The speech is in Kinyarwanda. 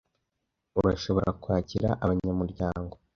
Ushobora kwakira abanyamuryango